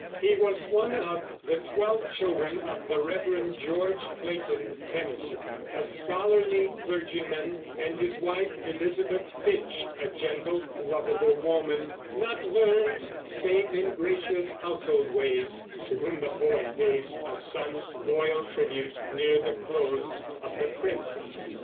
He was one of the twelve children of the Rev. George Clayton Tennyson, a scholarly clergyman, and his wife Elizabeth Fytche, a gentle, lovable woman, "not learned, save in gracious household ways," to whom the poet pays a son's loyal tribute near the close of The Princess.